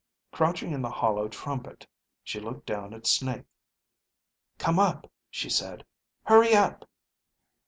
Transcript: Crouching in the hollow trumpet, she looked down at Snake. "Come up," she said. "Hurry up."